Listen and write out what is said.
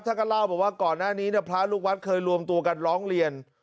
ท่านก็เล่าบอกว่าก่อนหน้านี้พระลูกวัดเคยรวมตัวกันร้องเรียน